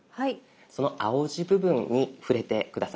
その青字部分に触れて下さい。